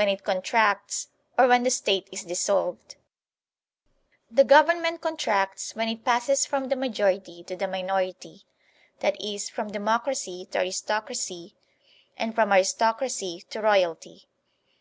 (76) THE ABUSE OF THE GOVERNMENT 77 The govemznent contracts when it passes from the ma jority to the minority, that is, from democracy to aris tocracy, and from aristocracy to royalty.